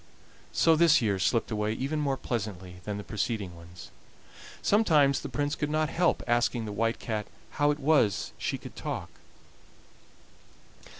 So this year slipped away even more pleasantly than the preceding ones. Sometimes the Prince could not help asking the White Cat how it was she could talk.